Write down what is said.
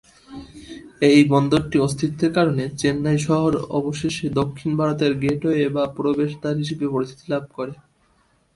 এটি বন্দরটির অস্তিত্বের কারণে চেন্নাই শহর অবশেষে দক্ষিণ ভারতের গেটওয়ে বা প্রবেশ দ্বার হিসাবে পরিচিতি লাভ করে।